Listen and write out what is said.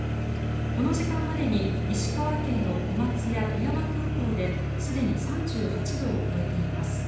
この時間までに石川県の小松や富山空港ですでに３８度を超えています。